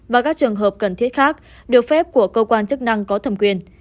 và các trường hợp cần thiết khác được phép của cơ quan chức năng có thẩm quyền